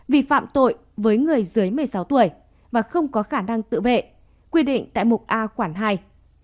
vi phạm tội với người dưới một mươi sáu tuổi và không có khả năng tự vệ quy định tại mục a khoản hai